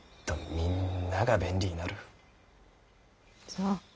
みんなが便利に。